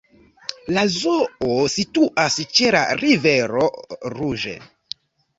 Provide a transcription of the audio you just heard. La zoo situas ĉe la Rivero Rouge.